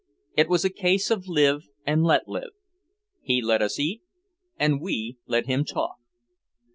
It was a case of live and let live. He let us eat and we let him talk.